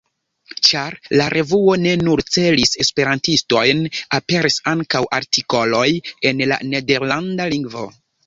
Ĉar la revuo ne nur celis esperantistojn, aperis ankaŭ artikoloj en la nederlanda lingvo.